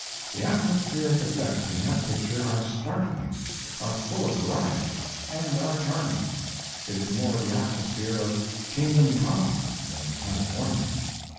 The atmospheric effects in that picture are startling, are full of variety, and are charming. It is more the atmosphere of Kingdom Come than of California.